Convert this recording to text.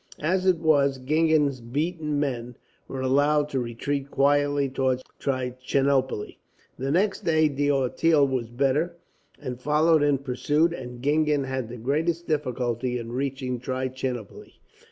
As it was, Gingen's beaten men were allowed to retreat quietly towards Trichinopoli. "The next day D'Auteuil was better, and followed in pursuit, and Gingen had the greatest difficulty in reaching Trichinopoli.